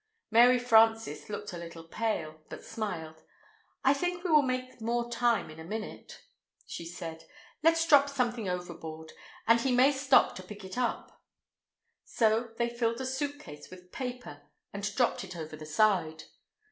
Mary Frances looked a little pale, but smiled. "I think we will make more time in a minute," she said. "Let's drop something overboard, and he may stop to pick it up." So they filled a suitcase with paper, and dropped it over the side.